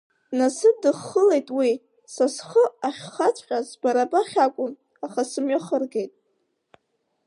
Днасыдыххылеит уи, са схы ахьхаҵәҟьаз бара бахь акәын, аха сымҩахыргеит.